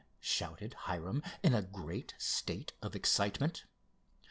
shouted Hiram, in a great state of excitement.